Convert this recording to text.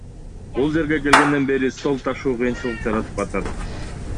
Бул жерге келгенден бери стол ташуу кыйынчылык жаратып атат.